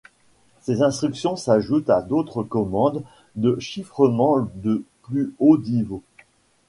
Ces instructions s'ajoutent à d'autres commandes de chiffrement de plus haut niveau.